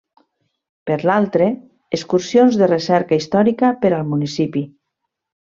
Per l'altre, excursions de recerca històrica per al municipi.